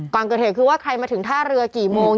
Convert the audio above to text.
ก่อนเกิดเหตุคือว่าใครมาถึงท่าเรือกี่โมง